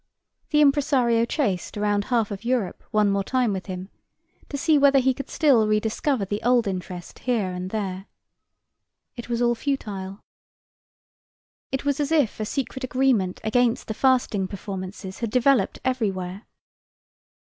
The impresario chased around half of Europe one more time with him, to see whether he could still re discover the old interest here and there. It was all futile. It was as if a secret agreement against the fasting performances had developed everywhere.